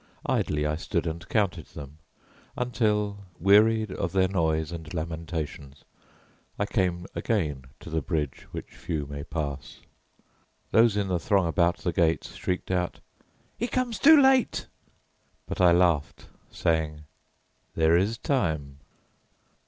Idly I stood and counted them, until, wearied of their noise and lamentations, I came again to the bridge which few may pass. Those in the throng about the gates shrieked out, "He comes too late!" But I laughed, saying, "There is time."